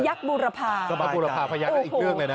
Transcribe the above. พยักษ์บูรพาสบายใจนะโอ้โฮสบายใจพยักษ์บูรพาพยักษ์อีกเรื่องเลยนะ